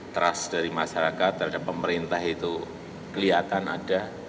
trust dari masyarakat terhadap pemerintah itu kelihatan ada